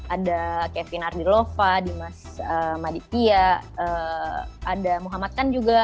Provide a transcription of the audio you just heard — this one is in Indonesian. ada kevin ardilova dimas maditya ada muhammad khan juga